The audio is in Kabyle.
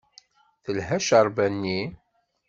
Telha cceṛba-nni?